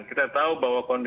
kita tahu bahwa kondisi